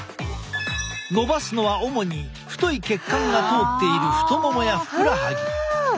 のばすのは主に太い血管が通っている太ももやふくらはぎ。